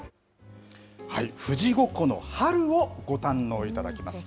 富士五湖の春をご堪能いただきます。